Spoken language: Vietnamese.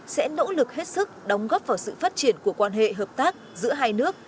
sẽ nỗ lực hết sức đóng góp vào sự phát triển của quan hệ hợp tác giữa hai nước